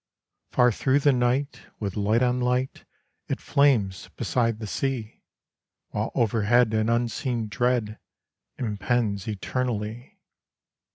Far through the night, with light on light, It flames beside the sea; While overhead an unseen dread Impends eternally.